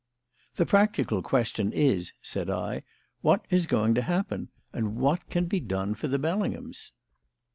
"The practical question is," said I, "what is going to happen? and what can be done for the Bellinghams?"